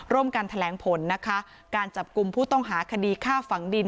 ร่วมกันแถลงผลนะคะการจับกลุ่มผู้ต้องหาคดีฆ่าฝังดิน